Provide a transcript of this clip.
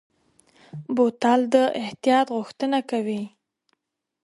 بوتل د احتیاط غوښتنه کوي.